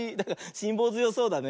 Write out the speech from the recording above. しんぼうづよそうだね。